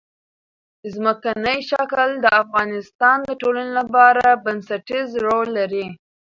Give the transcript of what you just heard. ځمکنی شکل د افغانستان د ټولنې لپاره بنسټيز رول لري.